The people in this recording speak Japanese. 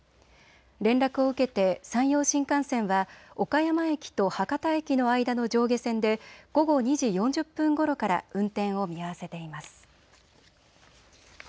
連絡を受けて山陽新幹線は岡山駅と博多駅の間の上下線で午後２時４０分ごろから運転を見合わせています。